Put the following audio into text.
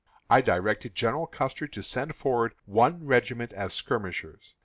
I directed General Custer to send forward one regiment as skirmishers.